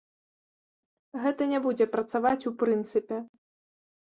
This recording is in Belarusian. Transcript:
Гэта не будзе працаваць ў прынцыпе.